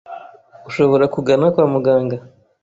Ushobora kugana kwa muganga